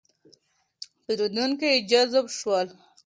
پېرېدونکي جذب شول.